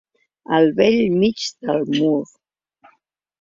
Al bell mig del mur.